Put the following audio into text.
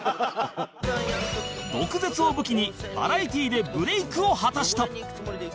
毒舌を武器にバラエティでブレイクを果たした！